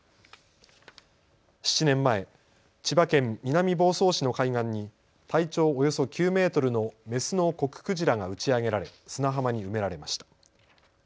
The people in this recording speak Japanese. ７年前、千葉県南房総市の海岸に体長およそ９メートルのメスのコククジラが打ち上げられ砂浜に埋められました。